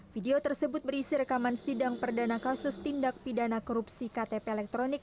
video tersebut berisi rekaman sidang perdana kasus tindak pidana korupsi ktp elektronik